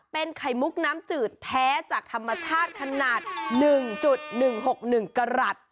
เป็นไข่มุกน้ำจืดแท้จากธรรมชาติขนาด๑๑๖๑กรัฐ